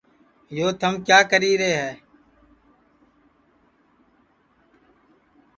یو تھم کِیا کری ہے